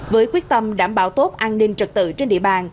với quyết tâm đảm bảo tốt an ninh trật tự trên địa bàn